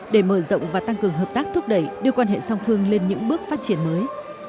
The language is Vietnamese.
để mở rộng và tăng cường hợp tác thúc đẩy đưa quan hệ song phương lên những bước phát triển mới